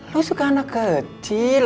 lu suka anak kecil